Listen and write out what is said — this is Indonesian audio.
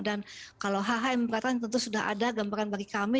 dan kalau hhm memberatkan tentu sudah ada gambaran bagi kami